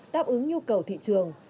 đáp ứng nhu cầu thị trường